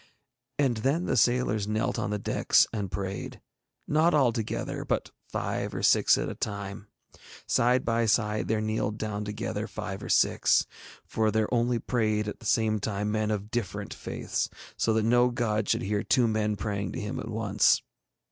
And then the sailors knelt on the decks and prayed, not all together, but five or six at a time. Side by side there kneeled down together five or six, for there only prayed at the same time men of different faiths, so that no god should hear two men praying to him at once.